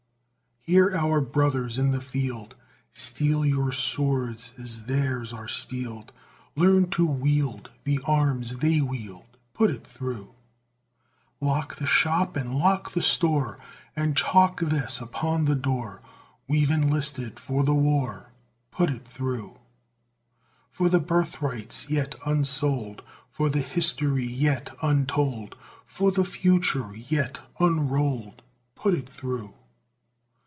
Hear our brothers in the field, Steel your swords as theirs are steeled, Learn to wield the arms they wield, Put it through! Lock the shop and lock the store, And chalk this upon the door, "We've enlisted for the war!" Put it through! For the birthrights yet unsold, For the history yet untold, For the future yet unrolled, Put it through!